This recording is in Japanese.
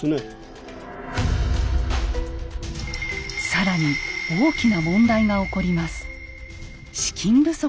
更に大きな問題が起こります。